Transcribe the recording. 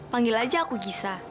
panggil aja aku gisa